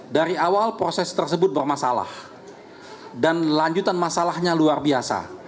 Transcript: dari awal proses tersebut bermasalah dan lanjutan masalahnya luar biasa